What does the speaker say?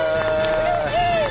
うれしい！